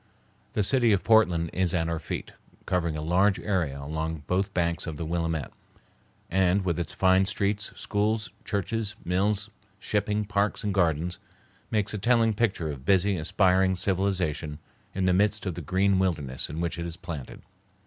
The city of Portland is at our feet, covering a large area along both banks of the Willamette, and, with its fine streets, schools, churches, mills, shipping, parks, and gardens, makes a telling picture of busy, aspiring civilization in the midst of the green wilderness in which it is planted.